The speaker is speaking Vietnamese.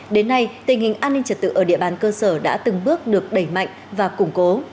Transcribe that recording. đến nay tình hình an ninh trật tự ở địa bàn cơ sở đã từng bước được đẩy mạnh và củng cố